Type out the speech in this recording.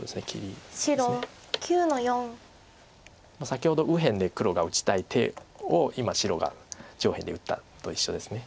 先ほど右辺で黒が打ちたい手を今白が上辺で打ったのと一緒です。